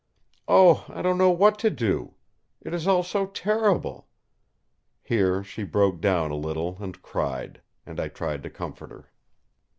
Oh! I don't know what to do. It is all so terrible!" Here she broke down a little and cried; and I tried to comfort her.